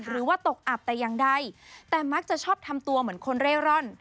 หรือว่าตกอับแต่อย่างใดแต่มักจะชอบทำตัวเหมือนคนเร่ร่อน